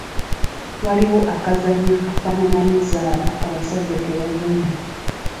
Waliwo akazannyo akafaananamu zzaala abasajja ke bazannya.